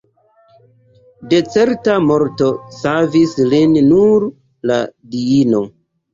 De certa morto savis lin nur la diino.